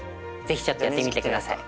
是非ちょっとやってみてください。